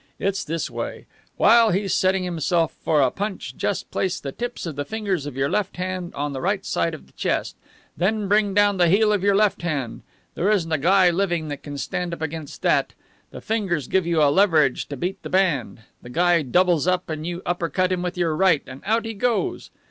It's this way. While he's setting himself for a punch, just place the tips of the fingers of your left hand on the right side of the chest. Then bring down the heel of your left hand. There isn't a guy living that could stand up against that. The fingers give you a leverage to beat the band. The guy doubles up, and you upper cut him with your right, and out he goes.'